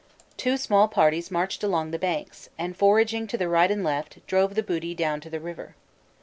Two small parties marched along the banks, and foraging to the right and left, drove the booty down to the river.